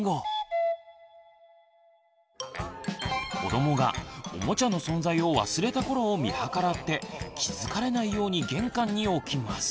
子どもがおもちゃの存在を忘れた頃を見計らって気付かれないように玄関に置きます。